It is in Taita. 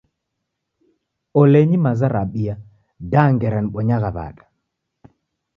Olenyi maza rabia da ngera nibonyagha w'ada!